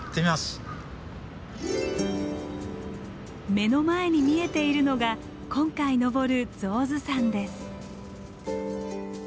目の前に見えているのが今回登る象頭山です。